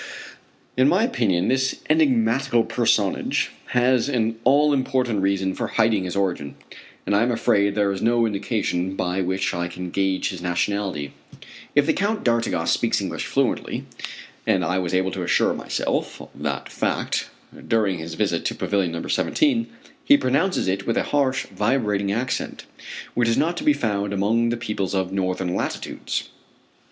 In my opinion this enigmatical personage has an all important reason for hiding his origin, and I am afraid there is no indication by which I can gauge his nationality. If the Count d'Artigas speaks English fluently and I was able to assure myself of that fact during his visit to Pavilion No. 17, he pronounces it with a harsh, vibrating accent, which is not to be found among the peoples of northern latitudes.